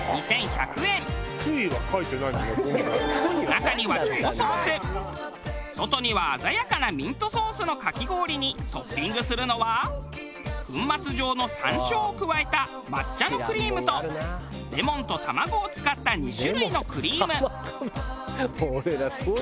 中にはチョコソース外には鮮やかなミントソースのかき氷にトッピングするのは粉末状の山椒を加えた抹茶のクリームとレモンと卵を使った２種類のクリーム。